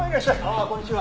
あっこんにちは。